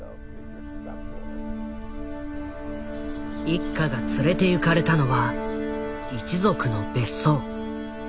一家が連れてゆかれたのは一族の別荘。